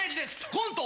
コント